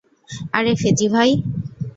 আরে, ফেজি ভাই!